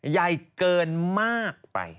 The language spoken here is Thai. ใหญ่เกินมากไป